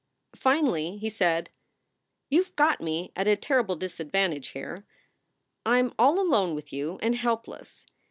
Finally he said: "You ve got me at a terrible disadvantage here. I m all alone with you, and helpless.